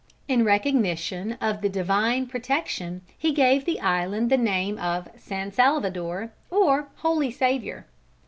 In recognition of the divine protection he gave the island the name of San Salvador, or Holy Savior.